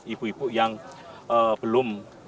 ibu ibu yang belum